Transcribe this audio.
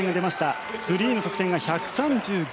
フリーの得点が１３５．３６。